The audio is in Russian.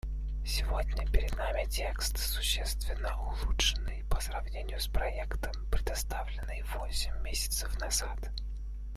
Сегодня перед нами текст, существенно улучшенный по сравнению с проектом, представленным восемь месяцев назад.